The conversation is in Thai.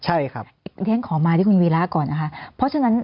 อีกอย่างขอมาที่คุณวีร่าก่อนนะคะ